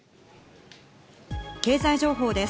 経済情報です。